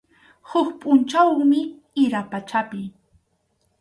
Huk pʼunchawmi ira pachapi.